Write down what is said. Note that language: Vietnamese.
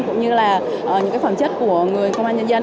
cũng như là những phẩm chất của người công an nhân dân